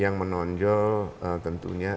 yang menonjol tentunya